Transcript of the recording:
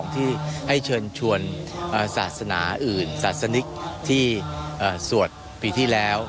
ที่ให้เชิญชวนศาสนาอื่นศาสนิกที่สวดปีที่แล้ว